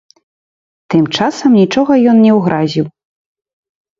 Тым часам нічога ён не ўгразіў.